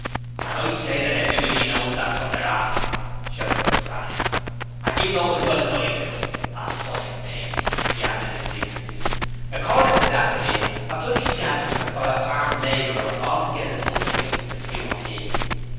'And I say that everybody knows that's what they're after!' shouted Crass. 'And you know it as well as I do. A fine thing!' he added indignantly. 'Accordin' to that idear, a bloody scavenger or a farm labourer ought to get as much wages as you or me!'